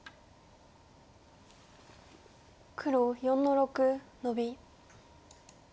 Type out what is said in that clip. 黒４の六ノビ。